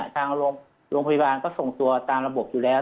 ทางโรงพยาบาลก็ส่งตัวตามระบบอยู่แล้ว